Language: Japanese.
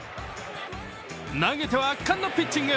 投げては圧巻のピッチング。